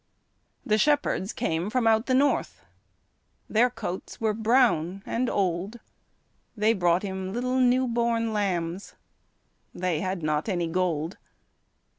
The shepherds came from out the north, Their coats were brown and old, They brought Him little new born lambs They had not any gold.